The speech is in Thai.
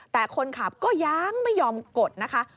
แต่คนขับก็ยังไม่ยอมกดนะคะ